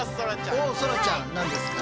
おっそらちゃん何ですか？